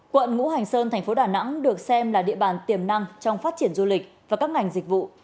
quận ngũ hành sơn thành phố đà nẵng được xem là địa bàn tiềm năng trong phát triển du lịch và các ngành dịch vụ